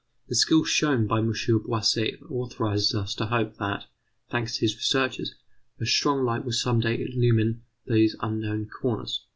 The skill shown by M. Bouasse authorises us to hope that, thanks to his researches, a strong light will some day illumine these unknown corners.